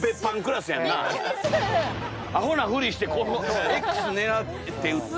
アホなふりしてＸ狙って撃ってるって。